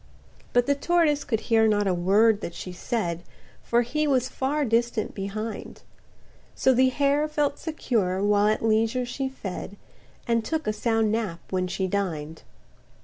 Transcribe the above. But the tortoise could hear not a word that she said For he was far distant behind; So the hare felt secured while at leisure she fed, And took a sound nap when she dined.